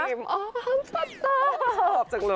ไอ้เกมอ้าวฟังตัว